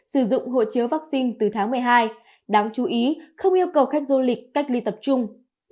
sử dụng hộ chiếu vaccine từ tháng một mươi hai đáng chú ý không yêu cầu khách du lịch cách ly tập trung